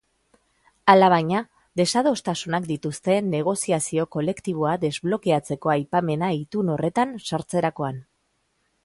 Alabaina, desadostasunak dituzte negoziazio kolektiboa desblokeatzeko aipamena itun horretan sartzerakoan.